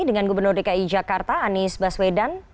dengan gubernur dki jakarta anies baswedan